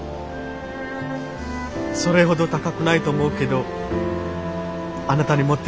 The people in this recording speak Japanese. それほど高くないと思うけどあなたに持っていてほしい。